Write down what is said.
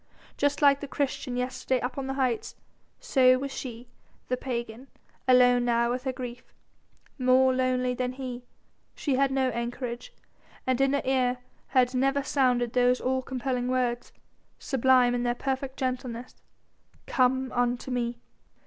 Just like the Christian yesterday up on the heights, so was she the pagan alone now with her grief. More lonely than he she had no anchorage, and in her ear had never sounded those all compelling words, sublime in their perfect gentleness: "Come unto Me!"